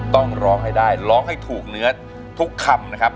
ต้องร้องให้ได้ร้องให้ถูกเนื้อทุกคำนะครับ